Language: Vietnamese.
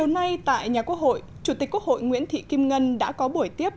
nay tại nhà quốc hội chủ tịch quốc hội nguyễn thị kim ngân đã có buổi tiếp